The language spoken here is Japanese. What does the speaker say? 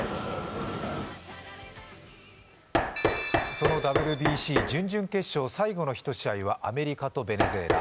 そのＷＢＣ、準々決勝最後の１試合はアメリカとベネズエラ。